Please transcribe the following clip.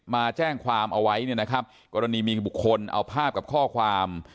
มาแจ้งความเอาไว้กรณีมีบุคคลเอาภาพกับข้อความ